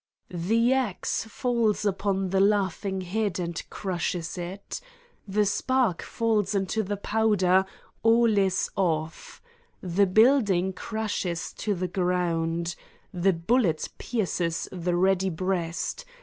The axe falls upon the laughing head and crushes it. The spark falls into the powder all is off ! The building crashes to the ground. The bullet pierces the ready breast.